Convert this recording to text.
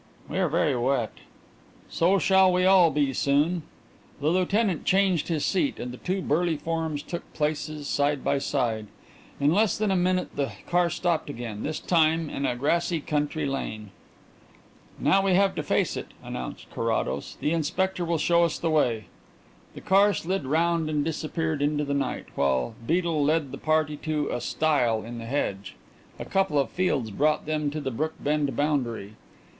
"We are very wet." "So shall we all be soon." The lieutenant changed his seat and the two burly forms took places side by side. In less than five minutes the car stopped again, this time in a grassy country lane. "Now we have to face it," announced Carrados. "The inspector will show us the way." The car slid round and disappeared into the night, while Beedel led the party to a stile in the hedge. A couple of fields brought them to the Brookbend boundary.